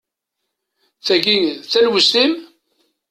Tagi, d talwest-im?